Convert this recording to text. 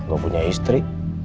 gak punya istri